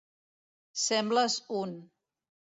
Sembles un.